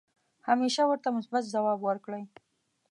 همیشه ورته مثبت ځواب ورکړئ .